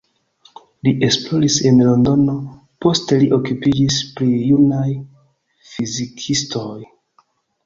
Li esploris en Londono, poste li okupiĝis pri junaj fizikistoj.